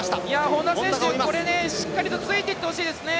本多選手、しっかりついていってほしいですね。